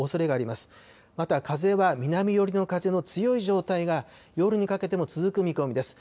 また、風は南寄りの風の強い状態が夜にかけても続く見込みです。